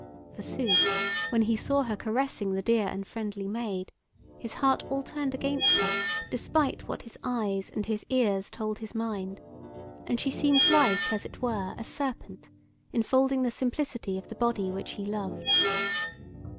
Forsooth, when he saw her caressing the dear and friendly Maid, his heart all turned against her, despite what his eyes and his ears told his mind, and she seemed like as it were a serpent enfolding the simplicity of the body which he loved.